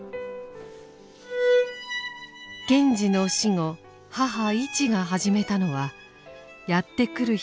賢治の死後母イチが始めたのはやって来る人